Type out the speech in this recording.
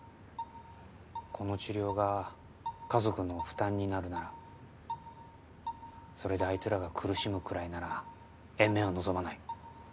この治療が家族の負担になるならそれであいつらが苦しむくらいなら延命は望まない。